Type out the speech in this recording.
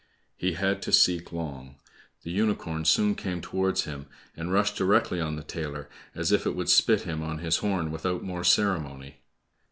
He had to seek long. The unicorn soon came towards him, and rushed directly on the tailor, as if it would spit him on his horn without more ceremony.